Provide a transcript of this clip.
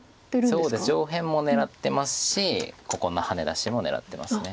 そうです上辺も狙ってますしここのハネ出しも狙ってます。